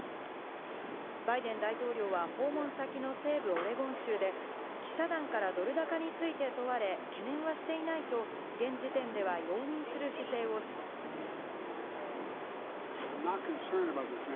バイデン大統領は訪問先の西部オレゴン州で、記者団からドル高について問われ、懸念はしていないと、現時点では容認する姿勢を示しました。